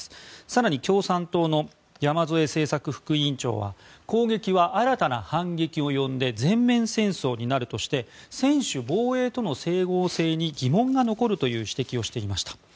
更に共産党の山添政策副委員長は攻撃は新たな反撃を呼んで全面戦争になるとして専守防衛との整合性に疑問が残るという指摘をしていました。